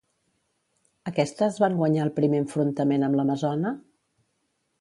Aquestes van guanyar el primer enfrontament amb l'amazona?